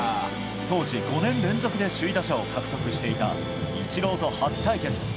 当時５年連続で首位打者を獲得していたイチローと初対決。